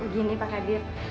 gini pak kadeer